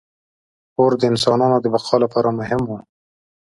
• اور د انسانانو د بقا لپاره مهم و.